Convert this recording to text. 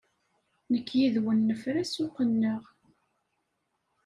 Nekk yid-wen nefra ssuq-nneɣ.